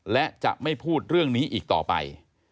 และจะไม่พูดเรื่องนี้อีกต่อไป